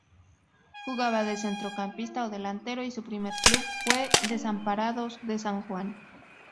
Jugaba de centrocampista o delantero y su primer club fue Desamparados de San Juan.